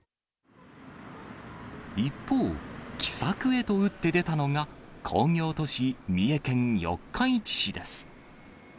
一方、奇策へと打って出たのが工業都市、三重県四日市市です。